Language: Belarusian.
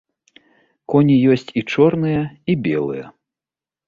Коні ёсць і чорныя і белыя!